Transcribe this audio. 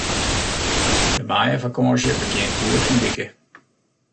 De maaiefakânsje begjint hjoed in wike.